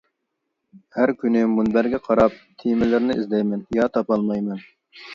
ھەر كۈنى مۇنبەرگە قاراپ تېمىلىرىنى ئىزدەيمەن، يا تاپالمايمەن.